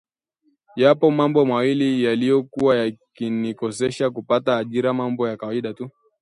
yapo mambo mawili yaliyokuwa yakinikosesha kupata ajira~ mambo ya kawaida tu